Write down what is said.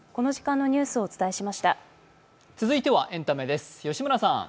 続いてはエンタメです。